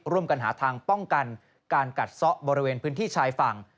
ร่วมกันหาทางป้องกันการกัดซ่อบริเวณพื้นที่ชายฝั่ง